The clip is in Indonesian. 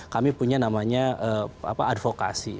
kami punya namanya advokasi